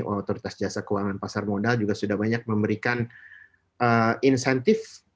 otoritas jasa keuangan pasar modal juga sudah banyak memberikan insentif